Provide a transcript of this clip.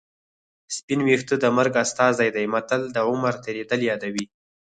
سپین ویښته د مرګ استازی دی متل د عمر تېرېدل یادوي